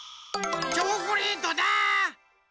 チョコレートだ！